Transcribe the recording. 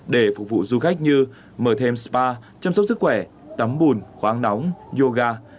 để phục vụ du khách như mở thêm spa chăm sóc sức khỏe tắm bùn khoáng nóng yoga